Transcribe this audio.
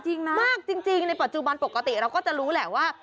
จริงนะมากจริงในปัจจุบันปกติเราก็จะรู้แหละว่า